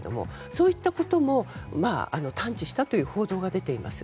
そういったことも探知したという報道が出ています。